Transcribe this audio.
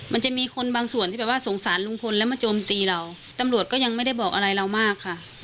มันจะมีคนบางส่วนที่แบบว่าสงสารลุงพลแล้วมาโจมตีเราตำรวจก็ยังไม่ได้บอกอะไรเรามากค่ะ